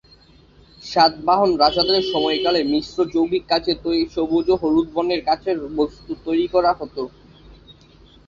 সাতবাহন রাজাদের সময়কালে মিশ্র যৌগিক কাচের তৈরী সবুজ ও হলুদ বর্ণের কাচের বস্তু তৈরী করা হত।